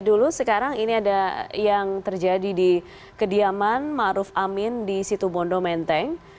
dulu sekarang ini ada yang terjadi di kediaman ⁇ maruf ⁇ amin di situ bondo menteng